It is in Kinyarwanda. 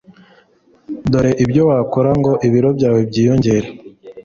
Dore ibyo wakora ngo ibiro byawe byiyongere